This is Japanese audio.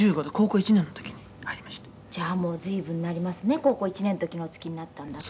「高校１年の時にお付きになったんだったら」